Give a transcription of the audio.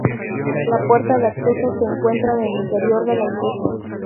La puerta de acceso se encuentra en el interior de la iglesia.